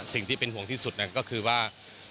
สิ่งที่เป็นห่วงที่สุดก็คือว่า